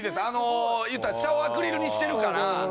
あの言うたら下をアクリルにしてるから。